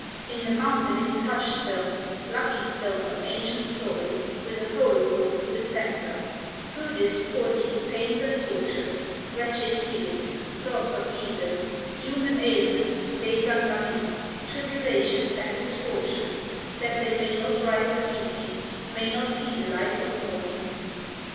In the mountain is a touch stone, Lucky stone of ancient story, With a hole bored through the centre, Through this pour these pains and tortures, Wretched feelings, thoughts of evil, Human ailments, days unlucky, Tribulations, and misfortunes, That they may not rise at evening, May not see the light of morning."